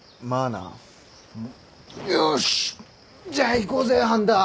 よしじゃあ行こうぜ半田。